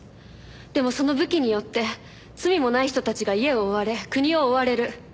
でもその武器によって罪もない人たちが家を追われ国を追われる。